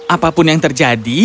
apapun yang terjadi